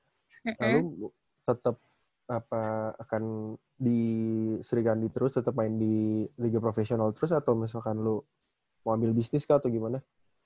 lalu tetap akan di serikandi terus tetap main di liga profesional terus atau misalkan lo mau ambil bisnis kah atau gimana